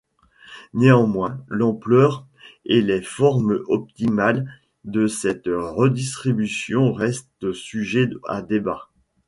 Néanmoins l'ampleur et les formes optimales de cette redistribution restent sujet à débat.